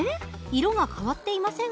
色が変わっていませんが。